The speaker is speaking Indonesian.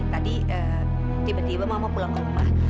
tadi tiba tiba mama pulang ke rumah